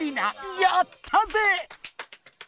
やったぜ！